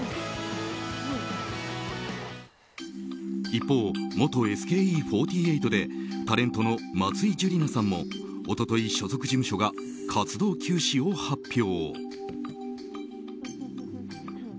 一方、元ＳＫＥ４８でタレントの松井珠理奈さんも一昨日、所属務所が活動休止を発表。